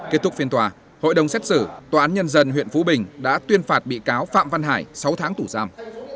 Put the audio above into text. kết thúc phiên tòa hội đồng xét xử tòa án nhân dân huyện phú bình đã tuyên phạt bị cáo phạm văn hải sáu tháng tù giam